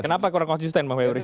kenapa kurang konsisten bang febri